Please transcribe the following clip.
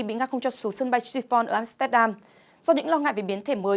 bị ngắt không cho xuống sân bay chiffon ở amsterdam do những lo ngại về biến thể mới